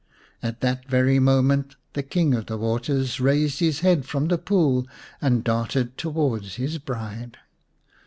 At that very moment the King of the Waters raised his head from the pool and darted to wards his bride.